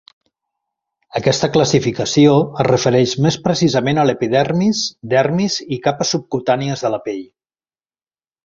Aquesta classificació es refereix més precisament a l'epidermis, dermis i capes subcutànies de la pell.